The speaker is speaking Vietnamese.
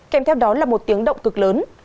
kèm theo đó là một tiếng động cực lớn